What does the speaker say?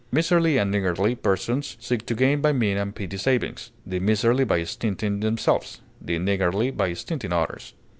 Miserly and niggardly persons seek to gain by mean and petty savings; the miserly by stinting themselves, the niggardly by stinting others.